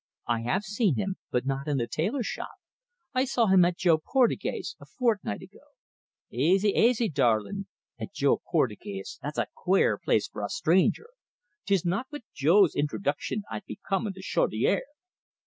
"I have seen him but not in the tailor shop. I saw him at Jo Portugais' a fortnight ago." "Aisy, aisy, darlin'. At Jo Portugais' that's a quare place for a stranger. 'Tis not wid Jo's introducshun I'd be comin' to Chaudiere."